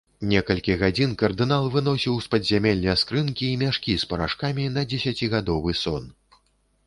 Некалькі гадзін кардынал выносіў з падзямелля скрынкі і мяшкі з парашкамі на дзесяцігадовы сон.